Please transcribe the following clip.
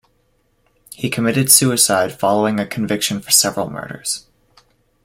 He committed suicide following a conviction for several murders.